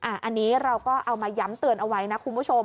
อันนี้เราก็เอามาย้ำเตือนเอาไว้นะคุณผู้ชม